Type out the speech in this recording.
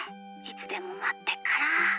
いつでもまってっから。